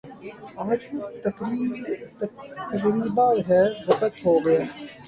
آج وہ تقریبا بے وقعت ہو گیا ہے